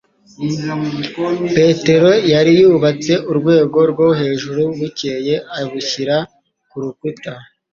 Petero yari yarubatse urwego rwo hejuru bukeye abushyira ku rukuta